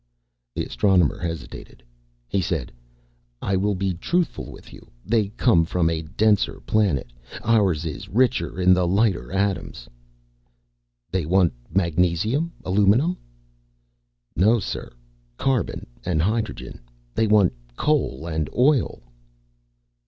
The Astronomer hesitated. He said, "I will be truthful with you. They come from a denser planet. Ours is richer in the lighter atoms." "They want magnesium? Aluminum?" "No, sir. Carbon and hydrogen. They want coal and oil."